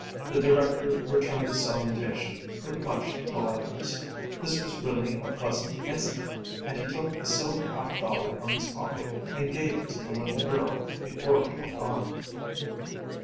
The director returned the salutation with much politeness. This was really a pleasant incident, and he took a silver half dollar from his pocket and gave it to the little girl before he went on.